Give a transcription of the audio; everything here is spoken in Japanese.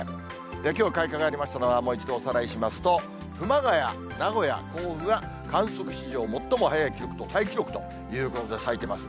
きょう開花がありましたのはもう一度おさらいしますと、熊谷、名古屋、甲府が観測史上最も早い記録とタイ記録ということで、咲いてます。